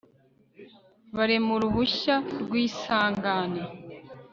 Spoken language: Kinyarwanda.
Barema uruhushya rwisangane